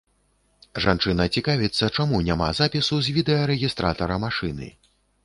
Жанчына цікавіцца, чаму няма запісу з відэарэгістратара машыны.